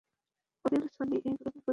অনিল সনি এই গ্রুপের প্রধান সম্পাদক।